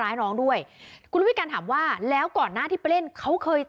ร้ายน้องด้วยคุณวิการถามว่าแล้วก่อนหน้าที่ไปเล่นเขาเคย